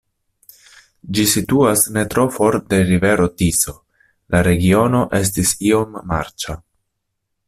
Ĝi situas ne tro for de rivero Tiso, la regiono estis iom marĉa.